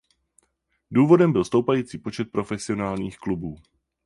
Důvodem byl stoupající počet profesionálních klubů.